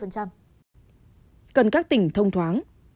cần các tỉnh thông thoáng